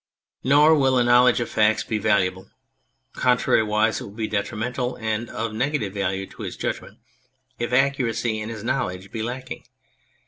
123 On Anything Nor will a knowledge of facts be valuable (con trariwise, it will be detrimental and of negative value to his judgment), if accuracy in his knowledge be lacking.